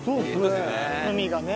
海がね。